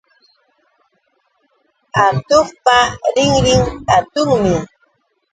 Atuqpa rinrin hatunmi